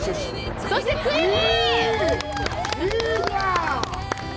そして、ついに。